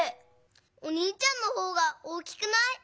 おにいちゃんのほうが大きくない？